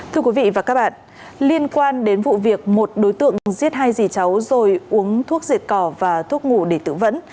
thưa quý vị và các bạn liên quan đến vụ việc một đối tượng giết hai dì cháu rồi uống thuốc diệt cỏ và thuốc ngủ để tử vấn